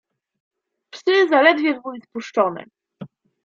"Psy zaledwie były spuszczone."